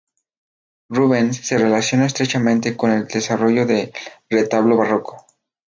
Rubens se relaciona estrechamente con el desarrollo del retablo barroco.